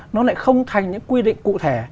nó lại không thành những quy định cụ thể